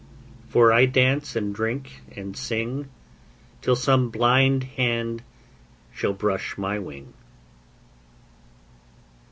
For I dance, And drink, and sing, Till some blind hand Shall brush my wing.